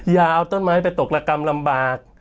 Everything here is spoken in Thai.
อย่าเอาต้นไม้ไปตกระกำลำบาก